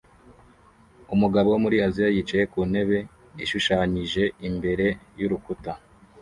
Umugabo wo muri Aziya yicaye ku ntebe ishushanyije imbere yurukuta